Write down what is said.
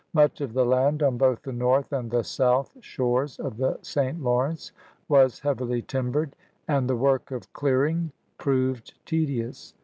Much of the land on both the north and the south shores of the St. Lawrence was heavily timbered, and the work of clearing proved tedious.